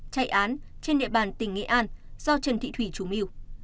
chạy án trên địa bàn tỉnh nghệ an do trần thị thủy chủ mưu